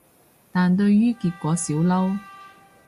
但對於結果少嬲